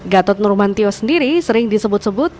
gatot nurmantio sendiri sering disebut sebut